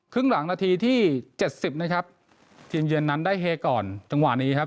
ครึ่งหลังนาทีที่เจ็ดสิบนะครับทีมเยือนนั้นได้เฮก่อนจังหวะนี้ครับ